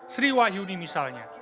sri wahyuni misalnya